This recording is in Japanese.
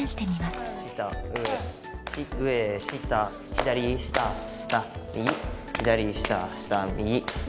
左下下右左下下右。